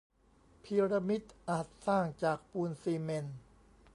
พีระมิดอาจสร้างจากปูนซีเมนต์